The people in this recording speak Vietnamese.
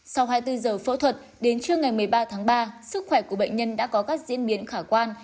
sau hai mươi bốn giờ phẫu thuật đến trưa ngày một mươi ba tháng ba sức khỏe của bệnh nhân đã có các diễn biến khả quan